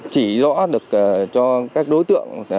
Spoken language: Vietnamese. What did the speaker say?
chỉ rõ được cho các đối tượng